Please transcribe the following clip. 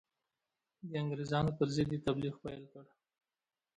د انګرېزانو پر ضد یې تبلیغ پیل کړ.